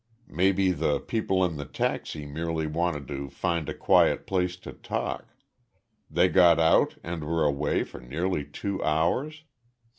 Maybe the people in the taxi merely wanted to find a quiet place to talk.... They got out and were away for nearly two hours?